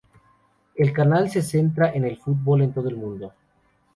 El canal se centra en el fútbol en todo el mundo.